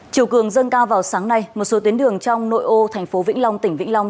chiều cường dâng cao vào sáng nay một số tuyến đường trong nội ô thành phố vĩnh long tỉnh vĩnh long